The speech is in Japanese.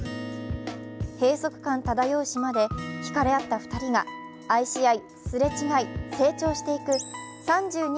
閉塞感漂う島で引かれ合った２人が愛し合いすれ違い成長していく３２